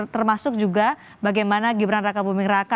termasuk juga bagaimana gibran raka bumiraka